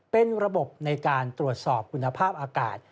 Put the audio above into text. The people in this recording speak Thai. เป็นระบบในการตรวจสอบคุณภาพอากาศ